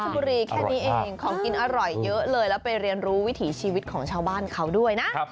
บุรีแค่นี้เองของกินอร่อยเยอะเลยแล้วไปเรียนรู้วิถีชีวิตของชาวบ้านเขาด้วยนะ